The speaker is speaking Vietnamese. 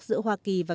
của văn hóa châu âu